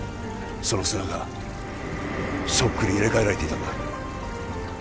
その砂がそっくり入れ替えられていたんだ